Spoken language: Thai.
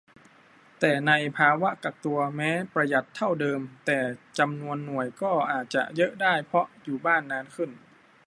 แต่ในภาวะกักตัว แม้ประหยัดเท่าเดิม แต่จำนวนหน่วยก็อาจเยอะได้ เพราะอยู่บ้านนานขึ้น